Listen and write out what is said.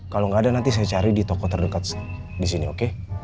kalau gak ada nanti saya cari di toko terdekat disini oke